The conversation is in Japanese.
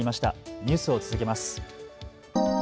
ニュースを続けます。